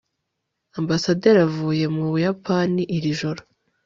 ambasaderi avuye mu buyapani iri joro